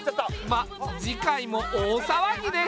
まっ次回も大騒ぎです。